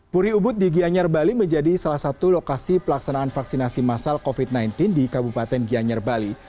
puri ubud di gianyar bali menjadi salah satu lokasi pelaksanaan vaksinasi masal covid sembilan belas di kabupaten gianyar bali